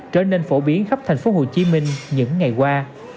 trở nên phổ biến khắp tp hcm những ngày qua